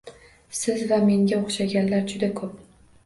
Siz va menga o’xshaganlar juda ko’p